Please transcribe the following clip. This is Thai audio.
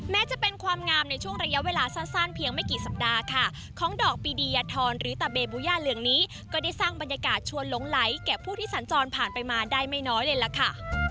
แม้จะเป็นความงามในช่วงระยะเวลาสั้นเพียงไม่กี่สัปดาห์ค่ะของดอกปีดียทรหรือตะเบบูย่าเหลืองนี้ก็ได้สร้างบรรยากาศชวนหลงไหลแก่ผู้ที่สัญจรผ่านไปมาได้ไม่น้อยเลยล่ะค่ะ